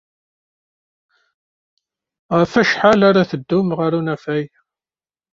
Ɣef wacḥal ara teddumt ɣer unafag?